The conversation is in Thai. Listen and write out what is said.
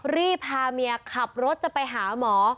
รีบพาเมียขับรถจะไปหาหมอ